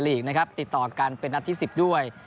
ลีกนะครับติดต่อกันเป็นนัดที่๑๐ด้วย